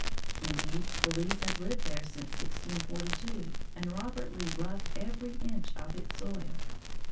Indeed, the Lees had lived there since 1642, and Robert Lee loved every inch of its soil.